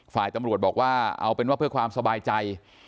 ฝ่ายตำรวจบอกว่าเอาเป็นว่าเพื่อความสบายใจ